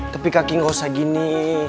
tepi kaki nggak usah gini